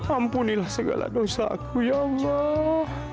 ampunilah segala dosaku ya allah